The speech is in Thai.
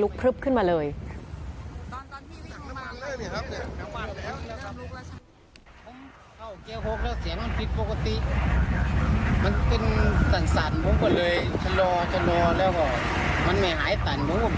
กระโปรบก็ดับเครื่องแล้วมันไม่ยอมดับให้